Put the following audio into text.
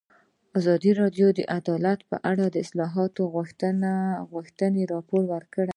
ازادي راډیو د عدالت په اړه د اصلاحاتو غوښتنې راپور کړې.